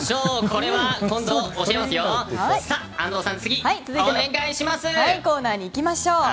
このコーナーにいきましょう。